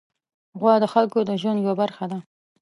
غوا د خلکو د ژوند یوه برخه ده.